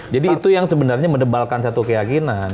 jadi itu yang sebenarnya mendebalkan satu keyakinan